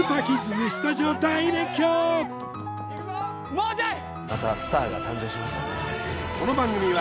もうちょい！